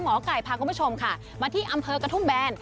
หมอไก่พาคุณผู้ชมค่ะมาที่อำเภอกระทุ่มแบน